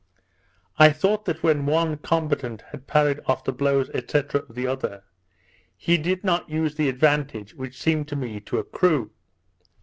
I thought that when one combatant had parried off the blows, &c. of the other, he did not use the advantage which seemed to me to accrue.